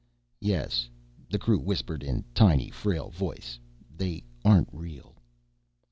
_" "Yes," the crew whispered in a tiny, frail voice, "they aren't real...."